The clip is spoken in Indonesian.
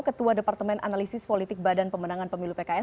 ketua departemen analisis politik badan pemenangan pemilu pks